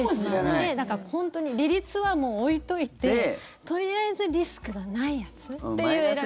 本当に利率はもう置いといてとりあえずリスクがないやつという選び方。